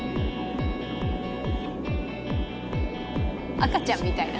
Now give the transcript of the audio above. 「赤ちゃんみたいな」